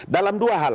dalam dua hal